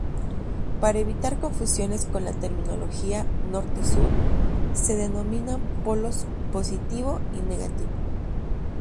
Para evitar confusiones con la terminología "norte-sur", se denominan polos "positivo" y "negativo".